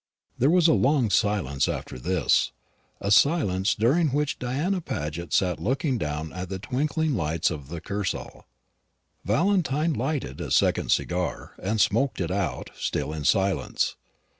There was a long silence after this a silence during which Diana Paget sat looking down at the twinkling lights of the Kursaal. Valentine lighted a second cigar and smoked it out, still in silence.